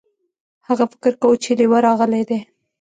هغه فکر کاوه چې لیوه راغلی دی.